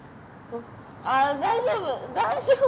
あっ大丈夫大丈夫